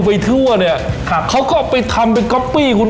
โปรไปทั่วเนี้ยครับเขาก็ไปทำไปจับคุณ